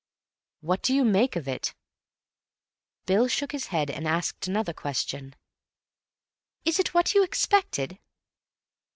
"What do you make of it?" Bill shook his head, and asked another question. "Is it what you expected?"